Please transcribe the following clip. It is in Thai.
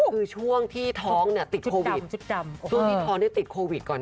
คือช่วงที่ท้องติดโควิด